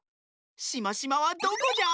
しましまはどこじゃ？